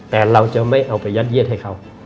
แต่เราจะไม่เอาไปยัดเยียดให้เขา